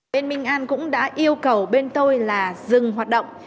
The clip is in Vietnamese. bên minh an cũng đã yêu cầu bên tôi là dừng hoạt động